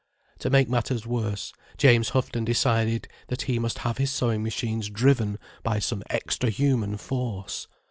To make matters worse, James Houghton decided that he must have his sewing machines driven by some extra human force.